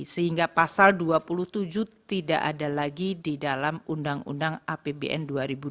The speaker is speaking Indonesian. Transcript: sehingga pasal dua puluh tujuh tidak ada lagi di dalam undang undang apbn dua ribu dua puluh